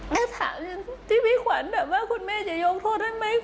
ถ้าถามที่พี่ขวัญแบบว่าคุณแม่จะยกโทษได้ไหม